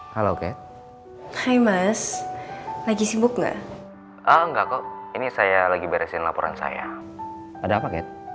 halo kek hai mas lagi sibuk enggak enggak kok ini saya lagi beresin laporan saya ada